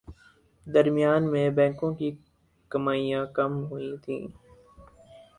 درمیان میں بینکوں کی کمائیاں کم ہوئیں تھیں